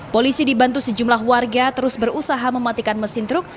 polisi dibantu sejumlah warga terus berusaha mematikan mesin truk